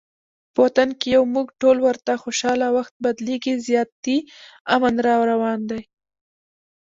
په وطن کې یو موږ ټول ورته خوشحاله، وخت بدلیږي زیاتي امن راروان دي